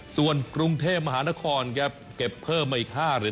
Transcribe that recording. ส่วนกรุงเทพมหานครครับเก็บเพิ่มมาอีก๕เหรียญ